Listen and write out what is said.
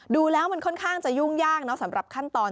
ดูแล้วมันค่อนข้างจะยุ่งยากเนอะสำหรับขั้นตอน